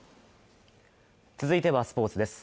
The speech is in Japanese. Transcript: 続いてはスポーツです。